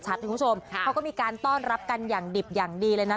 คุณผู้ชมเขาก็มีการต้อนรับกันอย่างดิบอย่างดีเลยนะ